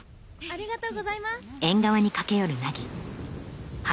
ありがとうございます。